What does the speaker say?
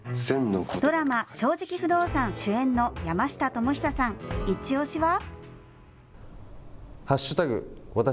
ドラマ、正直不動産、主演の山下智久さん、いちオシは？